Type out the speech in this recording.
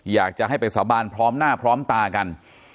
อยากจะให้ไปสาบานพร้อมหน้าพร้อมตากัน